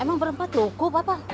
emang berempat cukup apa